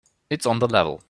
It's on the level.